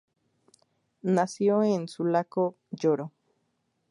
Nació en Sulaco, Yoro.